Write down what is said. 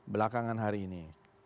belakangan hari ini